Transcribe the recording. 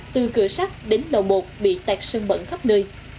từ cửa sắt đến lầu một bị tạc sơn bẩn khắp nơi